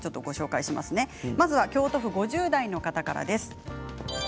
京都府５０代の方からです。